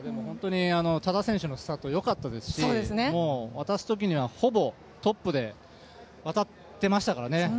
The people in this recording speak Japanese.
多田選手のスタート良かったですし渡す時には、ほぼトップで渡ってましたからね。